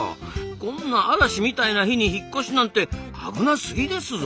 こんな嵐みたいな日に引っ越しなんて危なすぎですぞ！